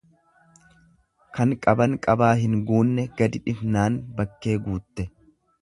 Kan qaban qabaa hin guunne gadi dhifnaan bakkee guutte.